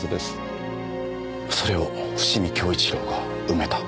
それを伏見享一良が埋めた。